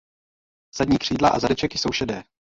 Zadní křídla a zadeček jsou šedé.